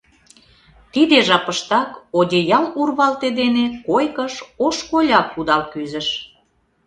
Тиде жапыштак одеял урвалте дене койкыш ош коля кудал кӱзыш.